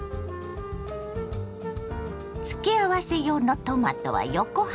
付け合わせ用のトマトは横半分に。